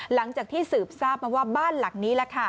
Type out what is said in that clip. หลังจากที่สืบทราบมาว่าบ้านหลักนี้